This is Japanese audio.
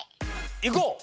いこう。